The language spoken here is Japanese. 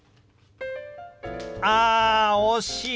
あ惜しい！